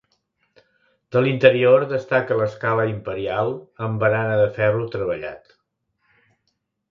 De l'interior destaca l'escala imperial amb barana de ferro treballat.